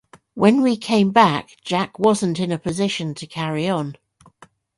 When we came back, Jack wasn't in a position to carry on.